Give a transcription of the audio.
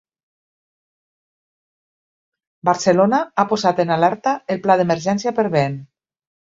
Barcelona ha posat en alerta el pla d’emergència per vent.